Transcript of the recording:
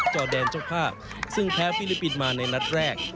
จอแดนเจ้าภาพซึ่งแพ้ฟิลิปปินส์มาในนัดแรก